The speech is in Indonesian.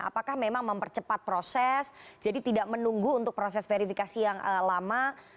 apakah memang mempercepat proses jadi tidak menunggu untuk proses verifikasi yang lama